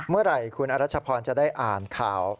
เมื่อไหร่คุณอรัชพรจะได้อ่านข่าว